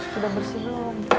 sudah bersih belum